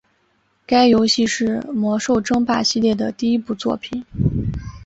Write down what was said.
该游戏是魔兽争霸系列的第一部作品。